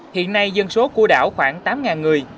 hiện nay dân số của đảo khoảng tám người